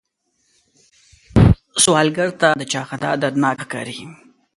سوالګر ته د چا خندا دردناکه ښکاري